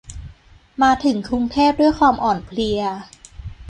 มาถึงกรุงเทพด้วยความอ่อนเพลีย